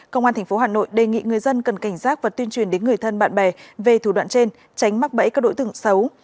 công an tp hà nội đề nghị người dân cần cảnh giác và tuyên truyền đến người thân bạn bè về thủ đoạn trên tránh mắc bẫy các đối tượng xấu